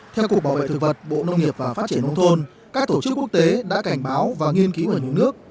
theo cục bảo vệ thực vật bộ nông nghiệp và phát triển nông thôn các tổ chức quốc tế đã cảnh báo và nghiên ký ngoài nước